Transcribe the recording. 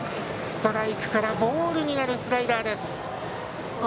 ストライクからボールになるスライダーです。